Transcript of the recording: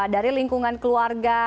dari lingkungan keluarga